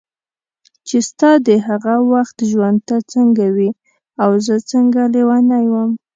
چې ستا د هغه وخت ژوند ته څنګه وې او زه څنګه لیونی وم.